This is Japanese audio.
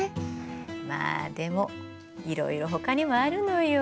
まあでもいろいろほかにもあるのよ。